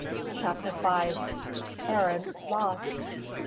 CHAPTER FIVE. AREND LOST.